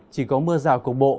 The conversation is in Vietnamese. chỉ có mưa rào cục bộ